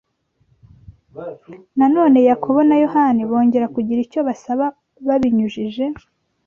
Na none Yakobo na Yohana bongera kugira icyo basaba babinyujije